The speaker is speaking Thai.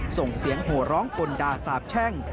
ส่งเสียงโหร้องปนดาสาบแช่ง